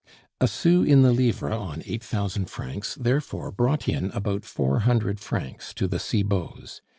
A sou in the livre on eight thousand francs therefore brought in about four hundred francs to the Cibots.